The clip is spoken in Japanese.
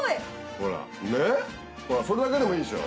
ほらそれだけでもいいでしょ。